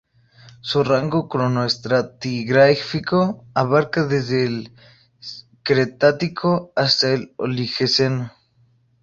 Su rango cronoestratigráfico abarca desde el Cretácico hasta el Oligoceno.